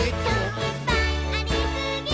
「いっぱいありすぎー！！」